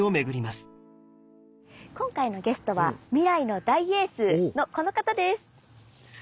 今回のゲストは未来の大エースのこの方です！